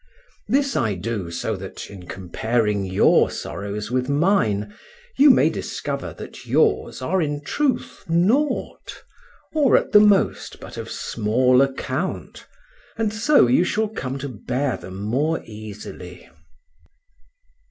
This I do so that, in comparing your sorrows with mine, you may discover that yours are in truth nought, or at the most but of small account, and so shall you come to bear them more easily.